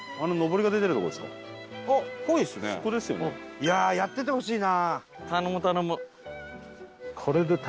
いやあやっててほしいな。